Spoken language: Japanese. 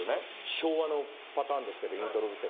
昭和のパターンですけどイントロ付け。